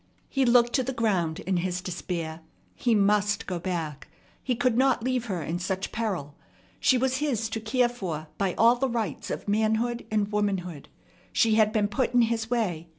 He looked to the ground in his despair. He must go back. He could not leave her in such peril. She was his to care for by all the rights of manhood and womanhood. She had been put in his way.